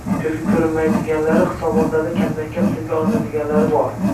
«ko‘zga ko‘rinmaydigan»lari – hisobotlarda kamdan-kam tilga olinadiganlari bor.